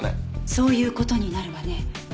そういう事になるわね。